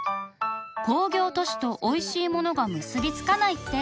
工業都市とおいしい物が結び付かないって？